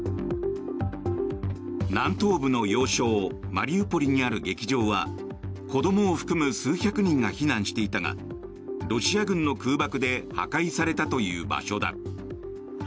南東部の要衝マリウポリにある劇場は子どもを含む数百人が避難していたがロシア軍の空爆で破壊されたという場所だ。